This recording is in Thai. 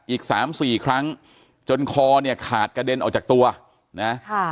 อีกสามสี่ครั้งจนคอเนี่ยขาดกระเด็นออกจากตัวนะค่ะ